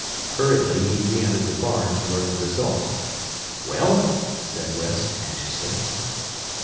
Hurriedly he re entered the barn to learn the result. "Well?" said West anxiously.